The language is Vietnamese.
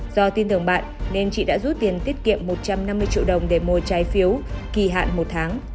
do tin tưởng bạn nên chị đã rút tiền tiết kiệm một trăm năm mươi triệu đồng để mua trái phiếu kỳ hạn một tháng